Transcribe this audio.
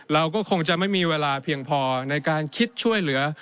เราก็คงจะไม่มีเวลาเพียงพอในการคิดช่วยเหลือ